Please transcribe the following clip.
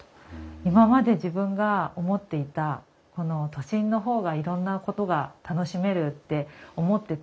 今まで自分が思っていた都心の方がいろんなことが楽しめるって思ってた。